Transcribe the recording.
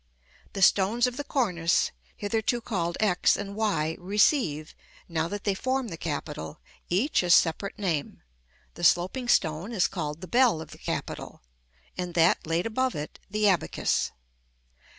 The stones of the cornice, hitherto called X and Y, receive, now that they form the capital, each a separate name; the sloping stone is called the Bell of the capital, and that laid above it, the Abacus.